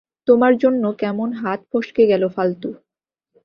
তোমার জন্য কেমন হাত ফসকে গেল, ফালতু!